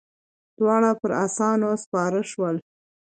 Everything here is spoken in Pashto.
دواړه پر آسونو سپاره شول.